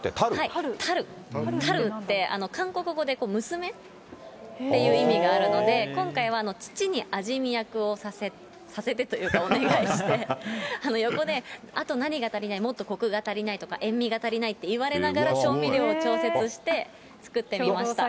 タルって、韓国語で娘っていう意味があるので、今回は父に味見役をさせて、させてというか、お願いして、横で、あと何か足りない、もっとこくが足りないとか、塩みが足りないって言われながら、調味料を調節して作ってみました。